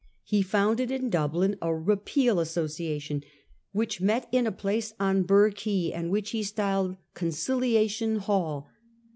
He founded in Dublin a Repeal Association which met in a place on Burgh Quay, and which he .styled Con ciliation Hall.